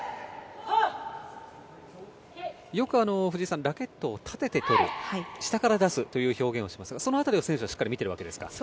よく藤井さんラケットを立てて取る下から出すという表現をしていますがその辺りを選手はしっかり見ているわけですか？